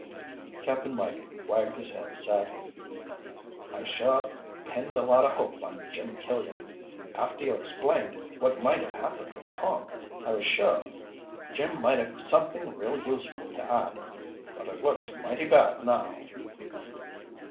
Cap'n Mike wagged his head sadly. "I sure pinned a lot of hope on Jim Killian. After you explained what might have happened to Tom, I was sure Jim might have something real useful to add. But it looks mighty bad now."